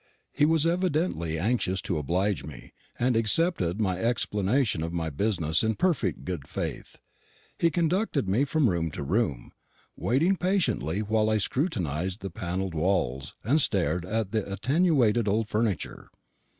He was evidently anxious to oblige me, and accepted my explanation of my business in perfect good faith. He conducted me from room to room, waiting patiently while I scrutinised the panelled walls and stared at the attenuated old furniture.